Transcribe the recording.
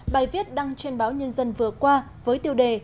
bài viết đăng trên báo nhân dân vừa qua với tiêu đề